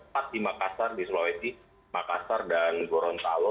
empat di makassar di sulawesi makassar dan gorontalo